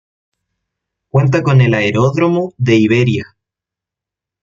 Cuenta con el Aeródromo de Iberia.